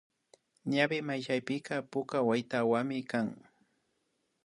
Ñawi mayllapika puka waytawami kan